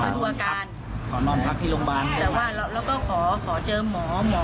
ดูอาการขอนอนพักที่โรงพยาบาลแต่ว่าเราก็ขอขอเจอหมอหมอ